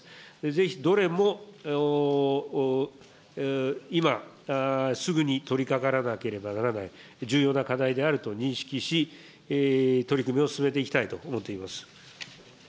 ぜひ、どれも今、すぐに取りかからなければならない重要な課題であると認識し、取り組みを進めていきたいと思っております。